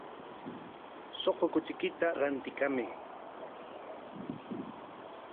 Suqu kuchiykita rantikamay.